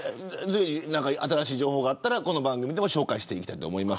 新しい情報があればこの番組でも紹介していただきたいと思います。